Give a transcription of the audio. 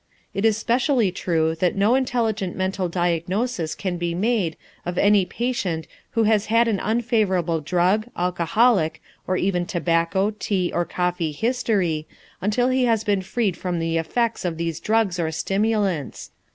It is specially true that no intelligent mental diagnosis can be made of any patient who has had an unfavorable drug, alcoholic, or even tobacco, tea, or coffee history until he has been freed from the effects of these drugs or stimulants.